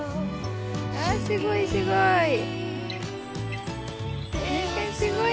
すごい、すごい。